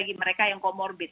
bagi mereka yang comorbid